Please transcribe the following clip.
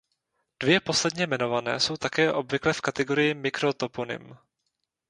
Dvě posledně jmenované jsou také obvykle v kategorii mikrotoponym.